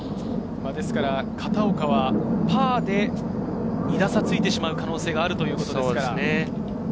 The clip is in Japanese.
片岡はパーで２打差ついてしまう可能性があるということですから。